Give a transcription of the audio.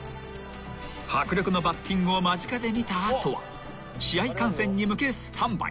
［迫力のバッティングを間近で見た後は試合観戦に向けスタンバイ］